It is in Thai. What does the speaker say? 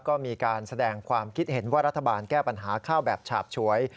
ก็มีการแสดงความคิดเห็นว่ารัฐบาลแก้ปัญหาข้าวแบบฉาบฉวย